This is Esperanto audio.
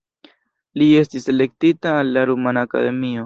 Li estis elektita al la Rumana Akademio.